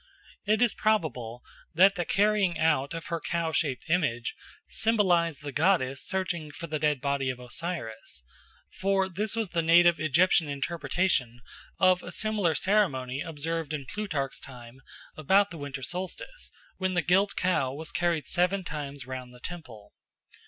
It is probable that the carrying out of her cow shaped image symbolised the goddess searching for the dead body of Osiris; for this was the native Egyptian interpretation of a similar ceremony observed in Plutarch's time about the winter solstice, when the gilt cow was carried seven times round the temple.